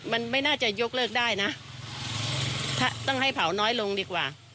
มันไม่น่าจะยกเลิกได้นะถ้าต้องให้เผาน้อยลงดีกว่า